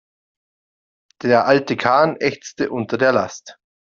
Der alte Kahn ächzte unter der Last.